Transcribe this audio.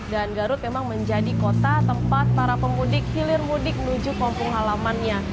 dan garut memang menjadi kota tempat para pemudik hilir mudik menuju kompung halamannya